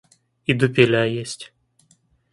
И дупеля есть.